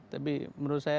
tapi menurut saya